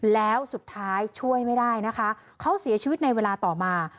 แล้วสุดท้ายช่วยไม่ได้นะคะเขาเสียชีวิตในเวลาต่อมา